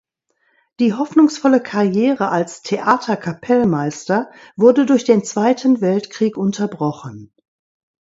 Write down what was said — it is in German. Die hoffnungsvolle Karriere als Theaterkapellmeister wurde durch den Zweiten Weltkrieg unterbrochen.